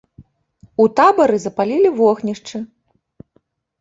У табары запалілі вогнішчы.